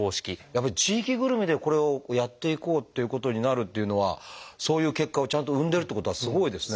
やっぱり地域ぐるみでこれをやっていこうっていうことになるっていうのはそういう結果をちゃんと生んでるっていうことはすごいですね。